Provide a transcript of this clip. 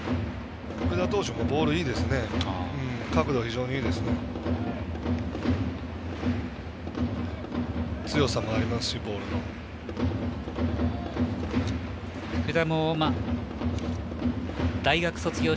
福田投手もなかなかボールいいですね。